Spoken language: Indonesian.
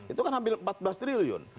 itu kan hampir empat belas triliun